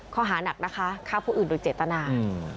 ข้อหานักนะคะฆ่าผู้อื่นโดยเจตนา